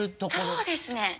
そうですね！